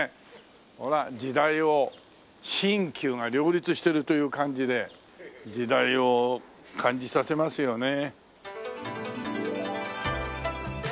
ほら時代を新旧が両立しているという感じで時代を感じさせますよね。